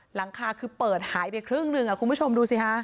หลังคาคือเปิดหายไปครึ่งหนึ่งคุณผู้ชมดูสิฮะ